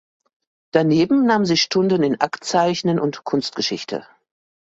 Daneben nahm sie Stunden in Aktzeichnen und Kunstgeschichte.